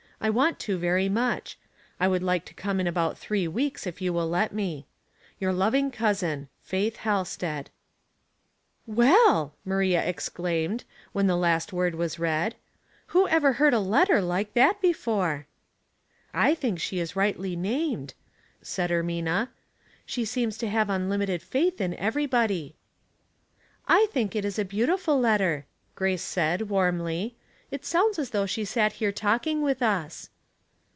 I want to very much. I would like to come in about three weeks, if you will let me. " Your loving cousin, "Faith Halsted." " Well I " Maria exclaimed, when the last word was read. " Who ever heard a letter like that before ?"*' I think she is rightly named," said Ermina. "She seems to have unlimited faith in every body." Ways and Means. 189 *' I thiuk It is a beautiful letter." Grace said, warmly. " It sounds as though she sat here talk ing with us."